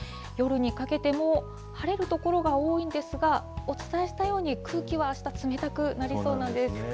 夜にかけても、晴れる所が多いんですが、お伝えしたように空気はあした、冷たくなりそうなんです。